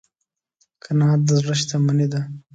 قناعت د زړه شتمني ده.